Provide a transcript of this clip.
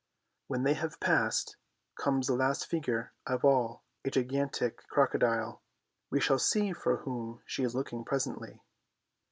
When they have passed, comes the last figure of all, a gigantic crocodile. We shall see for whom she is looking presently.